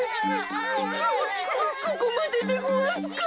こここまででごわすか。